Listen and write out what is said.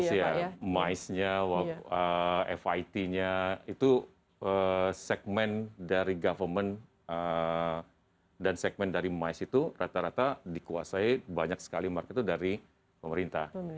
iya mice nya fit nya itu segmen dari government dan segmen dari mice itu rata rata dikuasai banyak sekali market itu dari pemerintah